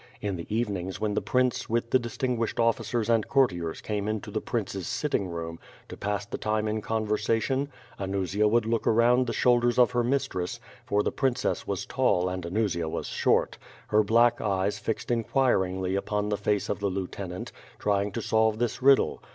In the evenings when the prince with the distinguished officers and courtiers came into the prince's sitting room, to pass the time in conversation, Anusia would look around the shoulders of her mistress (for the princess was tall and Anusia was short), her black eyes fixed inquir ingly upon the face of the lieutenant, trying to solve this riddle.